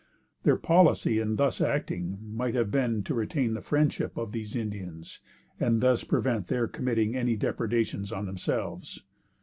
Their policy in thus acting might have been to retain the friendship of these Indians and thus prevent their committing any depredations on themselves.